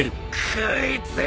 こいつ！